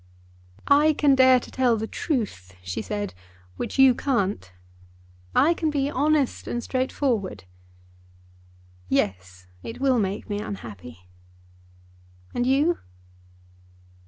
"I can dare to tell the truth," she said, "which you can't. I can be honest and straightforward. Yes, it will make me unhappy. And you?"